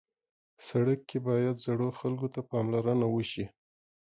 سړک کې باید زړو خلکو ته پاملرنه وشي.